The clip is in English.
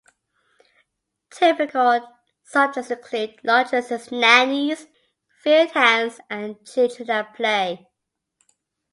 Typical subjects include laundresses, nannies, field hands, and children at play.